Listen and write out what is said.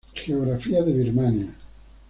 Geografía de Birmania